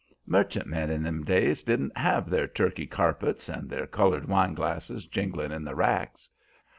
Merchantmen in them days didn't have their Turkey carpets and their colored wine glasses jinglin' in the racks.